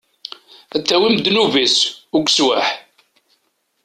Ad tawim ddnub-is, ugeswaḥ.